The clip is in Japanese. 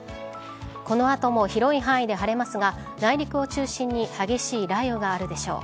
この後も広い範囲で晴れますが内陸を中心に激しい雷雨があるでしょう。